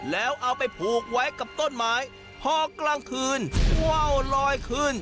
แล้วเอาไปผูกไว้กับต้นไม้พอกลางคืนว่าวลอยขึ้น